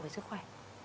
với sức khỏe